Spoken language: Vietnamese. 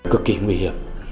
cực kỳ nguy hiểm